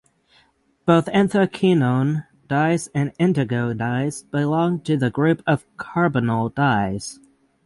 Both anthraquinone dyes and indigo dyes belong to the group of carbonyl dyes.